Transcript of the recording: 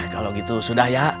kalau gitu sudah ya